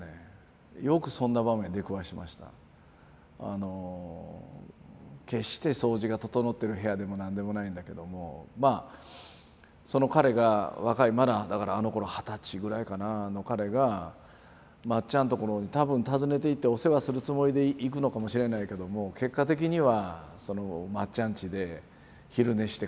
あの決して掃除が整ってる部屋でも何でもないんだけどもまあその彼が若いまだだからあのころ二十歳ぐらいかな彼がまっちゃんところに多分訪ねていってお世話するつもりで行くのかもしれないけども結果的にはそのまっちゃん家で昼寝して帰ってくるんですね。